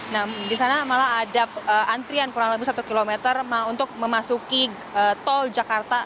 nah di sana malah ada antrian kurang lebih satu km untuk memasuki tol jakarta